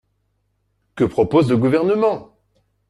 Que propose le Gouvernement?